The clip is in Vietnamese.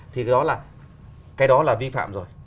thì đó là cái đó là vi phạm rồi